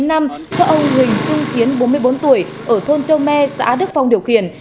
do ông huỳnh trung chiến bốn mươi bốn tuổi ở thôn châu me xã đức phong điều khiển